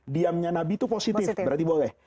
diamnya nabi itu positif berarti boleh